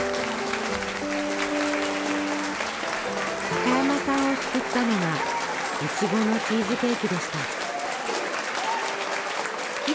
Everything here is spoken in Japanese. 高山さんを救ったのがいちごのチーズケーキでした。